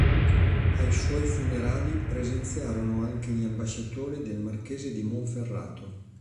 Ai suoi funerali presenziarono anche gli ambasciatori del marchese di Monferrato.